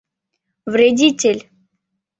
Вредитель!